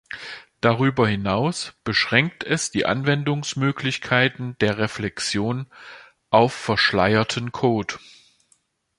Darüber hinaus beschränkt es die Anwendungsmöglichkeiten der Reflexion auf verschleierten Code.